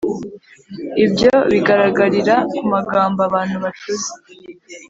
Ibyo bigaragarira ku magambo abantu bacuze